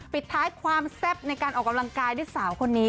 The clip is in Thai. ปิดท้ายความแซ่บในการออกกำลังกายด้วยสาวคนนี้